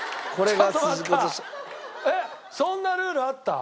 えっそんなルールあった？